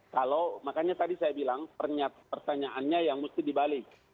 kalau makanya tadi saya bilang pertanyaannya yang mesti dibalik